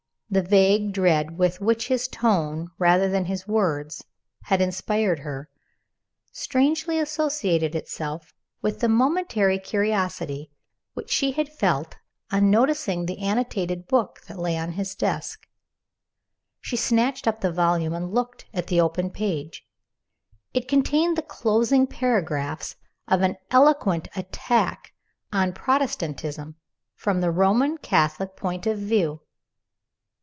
The vague dread with which his tone rather than his words had inspired her, strangely associated itself with the momentary curiosity which she had felt on noticing the annotated book that lay on his desk. She snatched up the volume and looked at the open page. It contained the closing paragraphs of an eloquent attack on Protestantism, from the Roman Catholic point of view.